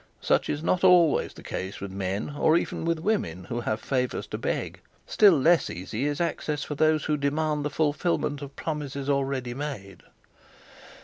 Such is not always the case with men, or even women, who have favours to beg. Still less easy is access for those who demand the fulfilment of promises already made.